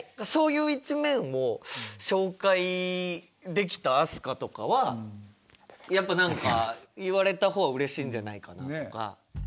そういう一面も紹介できた飛鳥とかはやっぱ何か言われた方はうれしいんじゃないかなとか。